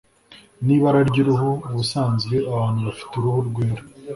n’ibara ry’uruhu. ubusanzwe abantu bafite uruhu rwera